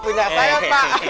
boleh saya pak